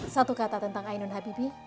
satu kata tentang ainun habibi